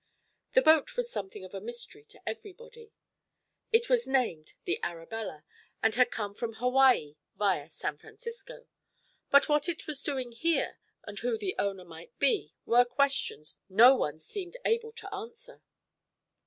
The boat was something of a mystery to everybody. It was named the "Arabella" and had come from Hawaii via San Francisco; but what it was doing here and who the owner might be were questions no one seemed able to answer.